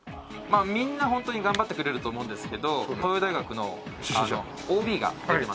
みんなホントに頑張ってくれると思うんですけど東洋大学のＯＢが出てます。